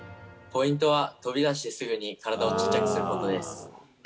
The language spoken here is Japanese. ポイントは、飛び出してすぐに体を小っちゃくすることです。